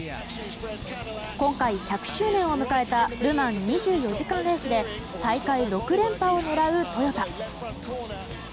今回１００周年を迎えたル・マン２４時間レースで大会６連覇を狙うトヨタ。